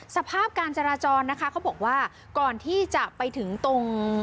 สภาพการจราจรนะคะเขาบอกว่าก่อนที่จะไปถึงตรง